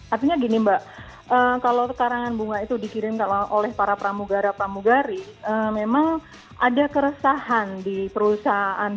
artinya gini mbak kalau karangan bunga itu dikirim oleh para pramugara pramugari memang ada keresahan di perusahaan